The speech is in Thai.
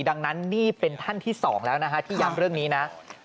ดังนั้นนี่เป็นท่านที่๒แล้วนะฮะที่ย้ำเรื่องนี้นะ